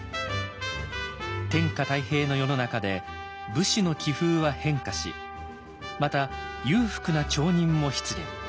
天下太平の世の中で武士の気風は変化しまた裕福な町人も出現。